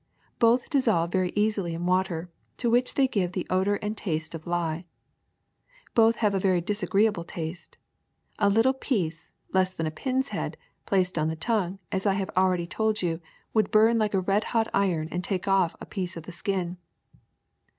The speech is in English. Both dissolve very easily in water, to which they give the odor and taste of lye. Both have a very disagreeable taste ; a tiny piece, less than a pin's head, placed on the tongue, as I have already told you, would burn like a red hot iron and take off a piece of the skin.